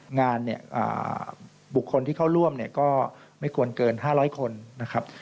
งานบุคคลที่เข้าร่วมก็ไม่ควรเกิน๕๐๐คนนะครับ